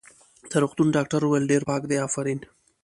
د روغتون ډاکټر وویل: ډېر پاک دی، افرین.